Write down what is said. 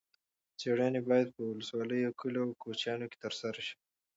څېړنې باید په ولسوالیو، کلیو او کوچیانو کې ترسره شي.